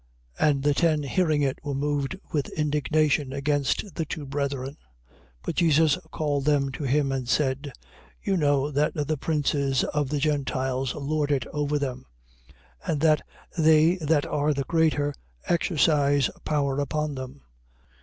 20:24. And the ten, hearing it, were moved with indignation against the two brethren. 20:25. But Jesus called them to him and said: You know that the princes of the Gentiles lord it over them; and that they that are the greater, exercise power upon them.